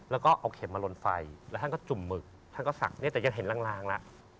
แล้วก็เอาเข็มมาลนไฟแล้วท่านก็จุ่มหมึกท่านก็สักเนี่ยแต่ยังเห็นลางแล้ว